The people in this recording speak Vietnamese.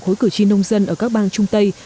khối cử tri nông dân ở các bang trung tây